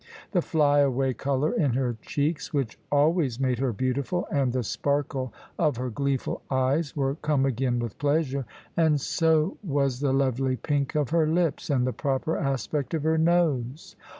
The fly away colour in her cheeks, which always made her beautiful, and the sparkle of her gleeful eyes, were come again with pleasure, and so was the lovely pink of her lips, and the proper aspect of her nose.